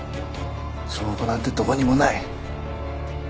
証拠なんてどこにもない。